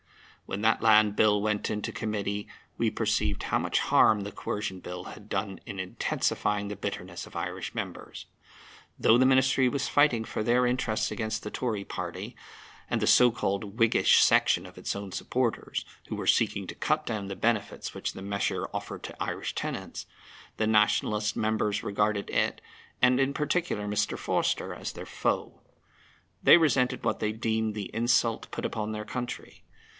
When that Land Bill went into Committee we perceived how much harm the Coercion Bill had done in intensifying the bitterness of Irish members. Although the Ministry was fighting for their interests against the Tory party and the so called Whiggish section of its own supporters, who were seeking to cut down the benefits which the measure offered to Irish tenants, the Nationalist members regarded it, and in particular Mr. Forster, as their foe. They resented what they deemed the insult put upon their country.